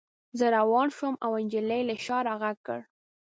زه روان شوم او نجلۍ له شا را غږ کړ